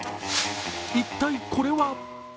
一体これは？